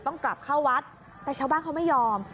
กลับเข้าวัดแต่ชาวบ้านเขาไม่ยอม